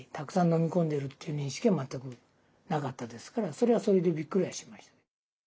それはそれでびっくりはしました。